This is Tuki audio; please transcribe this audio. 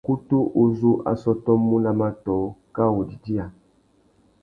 Ukutu uzú a sôtômú nà matōh kā wô didiya.